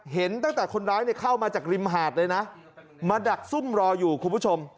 เห็นตั้งแต่คนร้ายเข้ามาจากริมหาดเลยนะมาดักซุ่มรออยู่คุณผู้ชม